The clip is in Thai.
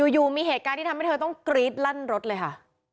อยู่มีเหตุการณ์ที่ทำให้เธอต้องกรี๊ดลั่นรถเลยค่ะ